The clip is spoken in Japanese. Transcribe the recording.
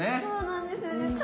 そうなんですよね。